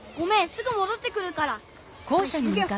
すぐもどってくるから。